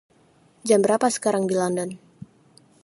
Jam berapa sekarang di London?